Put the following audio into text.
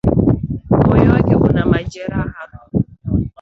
Moyo wake una majeraha